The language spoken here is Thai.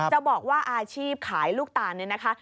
จะบอกว่าอาชีพขายลูกตาลเนี่ยนะคะ